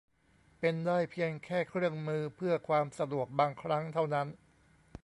เป็นได้เพียงแค่เครื่องมือเพื่อความสะดวกบางครั้งเท่านั้น